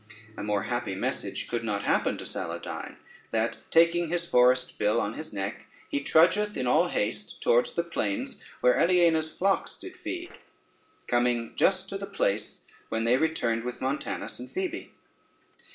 A more happy message could not happen to Saladyne, that taking his forest bill on his neck, he trudgeth in all haste towards the plains where Aliena's flocks did feed, coming just to the place when they returned from Montanus and Phoebe.